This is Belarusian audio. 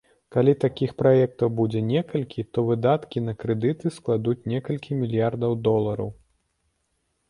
Калі такіх праектаў будзе некалькі, то выдаткі на крэдыты складуць некалькі мільярдаў долараў.